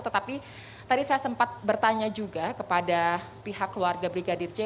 tetapi tadi saya sempat bertanya juga kepada pihak keluarga brigadir j